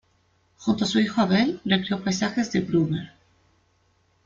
Junto a su hijo Abel recreó paisajes de Brueghel.